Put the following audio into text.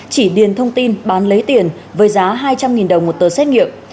chỉ điền thông tin bán lấy tiền với giá hai trăm linh đồng một tờ xét nghiệm